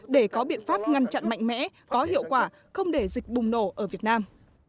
để có biện pháp ngăn chặn mạnh mẽ có hiệu quả không để dịch bùng nổ ở việt nam